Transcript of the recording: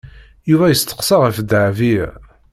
Yuba yesteqsa ɣef Dahbiya.